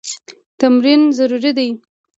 تمرین ضروري دی.